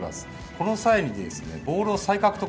この際に、ボールを。